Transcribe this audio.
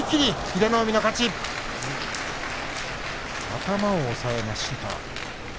頭を押さえました。